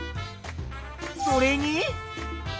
それに？